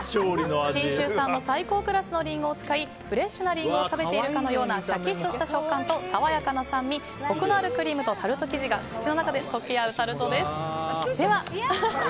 信州産の最高クラスのリンゴを使いフレッシュなリンゴを食べているかのようなシャキッとした食感と爽やかな酸味コクのあるクリームが口の中で溶け合うタルトです。